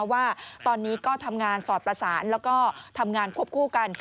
ว่าตอนนี้ก็ทำงานสอดประสานแล้วก็ทำงานควบคู่กัน